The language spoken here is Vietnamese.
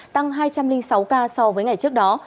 tăng hai trăm linh sáu ca so với ngày trước đó